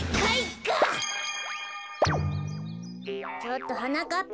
ちょっとはなかっ